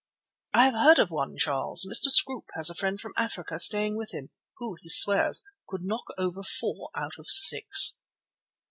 "I have heard of one, Charles. Mr. Scroope has a friend from Africa staying with him who, he swears, could knock over four out of six."